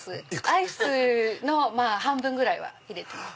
アイスの半分ぐらいは入れてます。